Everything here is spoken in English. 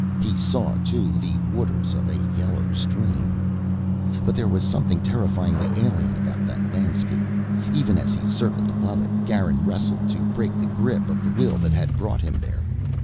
He saw, too, the waters of a yellow stream. But there was something terrifyingly alien about that landscape. Even as he circled above it, Garin wrested to break the grip of the will that had brought him there.